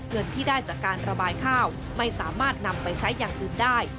เงินที่ได้จากการระบายข้าวไม่สามารถนำไปใช้อย่างอื่นได้